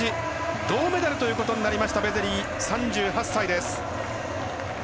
銅メダルということになったベゼリー３８歳です。